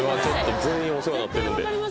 全員お世話になってる。